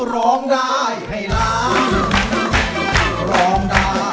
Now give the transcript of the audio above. ร้องได้ให้ล้าง